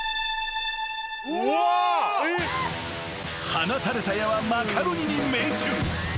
［放たれた矢はマカロニに命中］